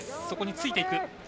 そこについていく。